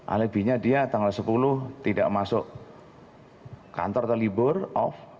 alibinya dia tanggal sepuluh tidak masuk kantor terlibur off